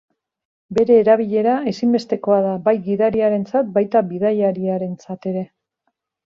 Bere erabilera ezinbestekoa da bai gidariarentzat baita bidaiariarentzat ere.